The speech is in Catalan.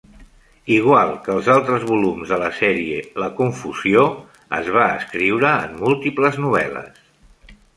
Igual que els altres volums de la sèrie, "La confusió" es va escriure en múltiples novel·les.